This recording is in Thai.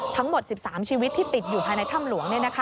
ทั้งหมด๑๓ชีวิตที่ติดอยู่ภายในถ้ำหลวง